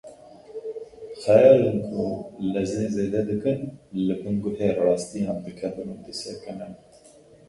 Xeyalên ku lezê zêde dikin, li bin guhê rastiyan dikevin û disekinin.